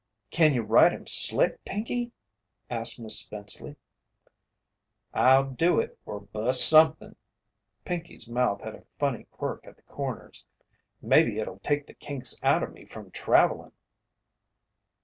"Can you ride him 'slick,' Pinkey?" asked Miss Spenceley. "I'll do it er bust somethin'." Pinkey's mouth had a funny quirk at the corners. "Maybe it'll take the kinks out of me from travellin'."